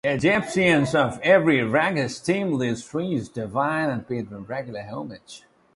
Egyptians of every rank esteemed these trees divine and paid them regular homage.